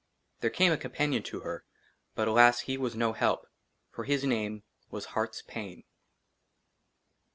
THERE CAME A COMPANION TO HER, BUT, ALAS, HE WAS NO HELP, FOR HIS NAME WAS HEART's PAIN.